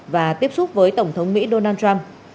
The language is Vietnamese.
và tiếp xúc với tổng thống mỹ donald trump